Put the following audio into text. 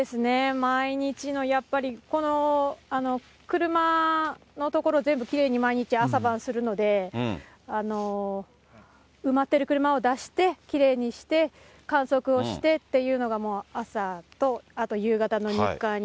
毎日のやっぱりこの車の所、全部きれいに毎日朝晩するので、埋まってる車を出して、きれいにして、観測をしてっていうのが、朝とあ